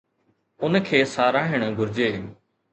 ان کي ساراهڻ گهرجي.